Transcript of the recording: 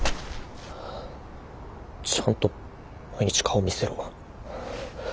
ちゃんと毎日顔見せろ。